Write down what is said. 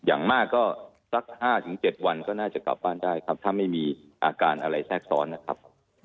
อย่างมากก็สัก๕๗วันก็น่าจะกลับบ้านได้ครับถ้าไม่มีอาการอะไรแทรกซ้อนนะครับ